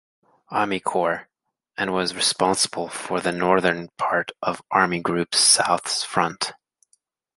Armeekorps, and was responsible for the northern part of Army Group South's front.